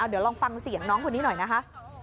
เดี๋ยวลองฟังเสียงน้องคนนี้หน่อยนะคะ